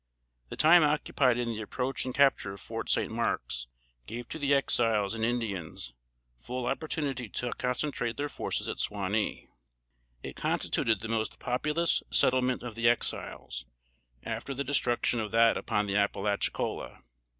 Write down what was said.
The time occupied in the approach and capture of Fort St. Marks, gave to the Exiles and Indians full opportunity to concentrate their forces at Suwanee. It constituted the most populous settlement of the Exiles, after the destruction of that upon the Appalachicola.